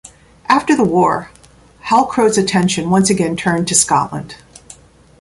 After the war, Halcrow's attention once again turned to Scotland.